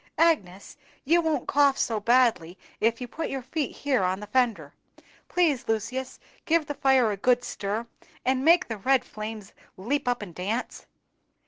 Agnes, you won't cough so badly if you put your feet here on the fender; please, Lucius, give the fire a good stir, and make the red flames leap up and dance.